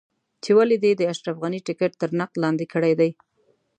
چې ولې دې د اشرف غني ټکټ تر نقد لاندې کړی دی.